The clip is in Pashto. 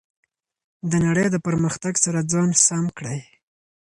د نړۍ د پرمختګ سره ځان سم کړئ.